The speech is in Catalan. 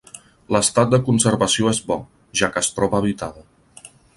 L'estat de conservació és bo, ja que es troba habitada.